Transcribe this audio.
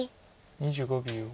２５秒。